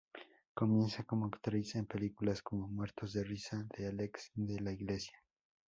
Comienza como actriz en películas como "Muertos de risa", de Álex de la Iglesia.